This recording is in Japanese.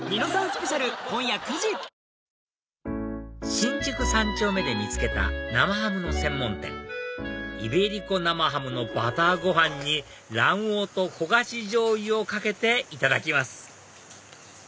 新宿三丁目で見つけた生ハムの専門店イベリコ生ハムのバターご飯に卵黄と焦がしじょうゆをかけていただきます！